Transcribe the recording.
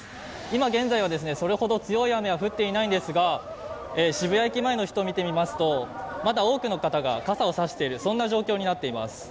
今現在はそれほど強い雨は降っていないんですが渋谷駅前の人を見てみますとまだ多くの方が傘を差している、そんな状況になっています。